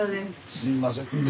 すいませんね。